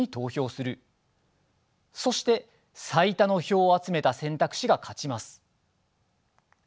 そして最多の票を集めた選択肢が勝ちます。